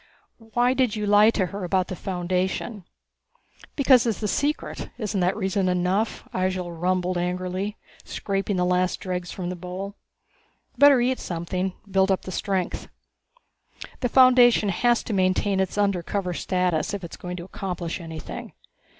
"Why did you lie to her about the Foundation?" "Because it's a secret isn't that reason enough?" Ihjel rumbled angrily, scraping the last dregs from the bowl. "Better eat something. Build up the strength. The Foundation has to maintain its undercover status if it is going to accomplish anything.